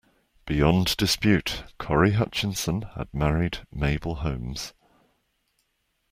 Beyond dispute, Corry Hutchinson had married Mabel Holmes.